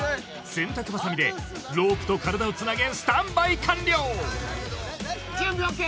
洗濯バサミでロープと体をつなげスタンバイ完了準備ＯＫ？